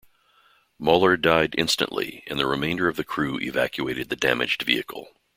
Moller died instantly and the remainder of the crew evacuated the damaged vehicle.